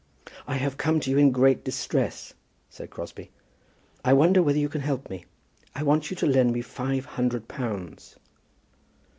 "I have come to you in great distress," said Crosbie. "I wonder whether you can help me. I want you to lend me five hundred pounds."